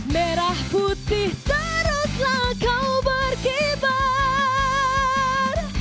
merah putih teruslah kau berkibar